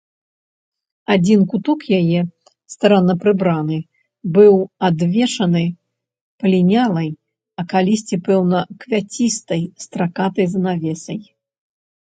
Адзін куток яе, старанна прыбраны, быў адвешаны палінялай, а калісьці, пэўна, квяцістай, стракатай завесай.